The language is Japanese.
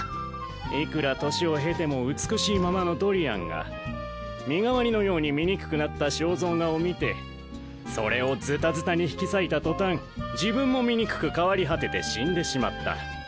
いくら年を経ても美しいままのドリアンが身代わりのように醜くなった肖像画を見てそれをズタズタに引き裂いた途端自分も醜く変わり果てて死んでしまった。